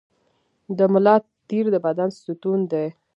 د ملا تیر د بدن ستون دی